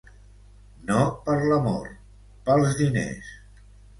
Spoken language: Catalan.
No per l’amor, pels diners.